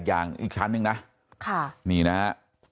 อย่างอีกชั้นนึงนะค่ะนี่นะคะ